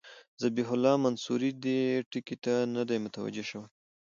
ذبیح الله منصوري دې ټکي ته نه دی متوجه شوی.